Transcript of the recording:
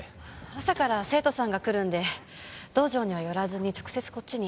朝から生徒さんが来るんで道場には寄らずに直接こっちに。